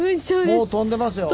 もう飛んでますよ